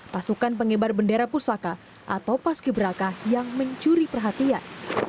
pasukan pengibar bendera pusaka atau paski beraka yang mencuri perhatian